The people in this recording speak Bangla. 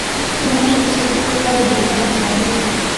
তোমাকে ইচ্ছাকৃত ভাবে ডেকে আনতে হবে।